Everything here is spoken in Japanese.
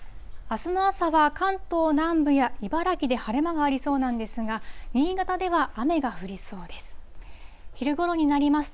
あすの朝は、関東南部や茨城で晴れ間がありそうなんですが、新潟では雨が降りそうです。